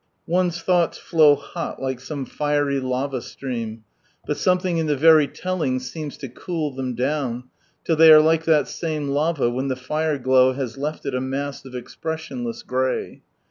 117 One's thoughts flow hoi, iike some fiery lava slream, but something in the very telling seeras lo cool them down, till they are like that same lava when the fire glow has left it a mass of expressionless grey.